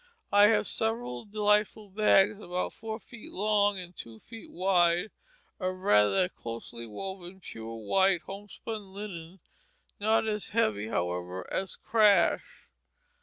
I have several delightful bags about four feet long and two feet wide, of rather closely woven pure white homespun linen, not as heavy, however, as crash.